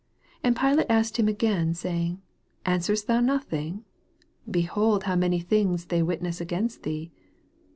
4 And Pilate asked him again, saying, Answerest thou nothing 1 be hold now many things they witness against thee.